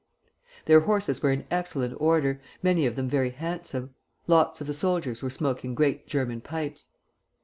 Their horses were in excellent order, many of them very handsome. Lots of the soldiers were smoking great German pipes.